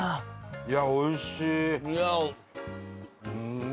いやおいしい。